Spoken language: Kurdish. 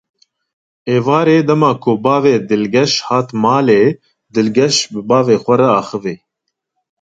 Êvarê dema bavê Dilgeş hat malê, Dilgeş bi bavê xwe re axivî.